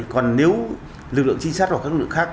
còn nếu lực lượng trinh sát hoặc các lực khác